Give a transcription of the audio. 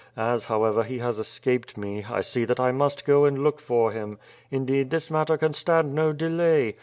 As, however, he has escaped me, I see that I must go and look for him. Indeed, this matter can stand no de lay.